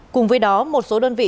cùng với đó một số đơn vị